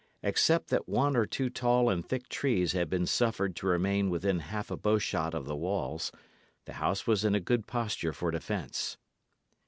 Except that one or two tall and thick trees had been suffered to remain within half a bowshot of the walls, the house was in a good posture for defence.